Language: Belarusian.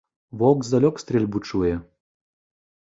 Воўк здалёк стрэльбу чуе!